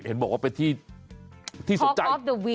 เห็นบอกว่าเป็นที่สนใจ